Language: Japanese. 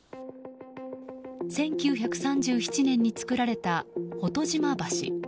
１９３７年に造られた保戸島橋。